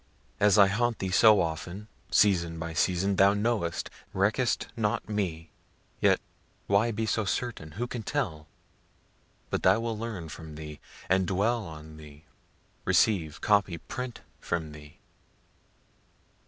As I haunt thee so often, season by season, thou knowest, reckest not me, (yet why be so certain? who can tell?) but I will learn from thee, and dwell on thee receive, copy, print from thee.